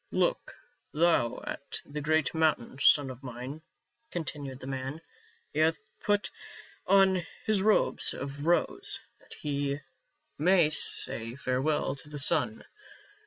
" Look thou at the great mountain, son of mine," continued the man ; "he hath put on his robes of rose (13) 14 PA UL. tliat he may say farewell to the sun.